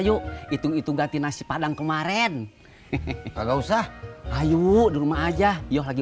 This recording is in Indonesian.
yuk hitung hitung ganti nasi padang kemarin hehehe kalau usah ayu rumah aja yuk lagi